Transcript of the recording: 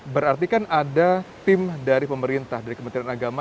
berarti kan ada tim dari pemerintah dari kementerian agama